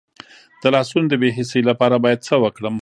د لاسونو د بې حسی لپاره باید څه وکړم؟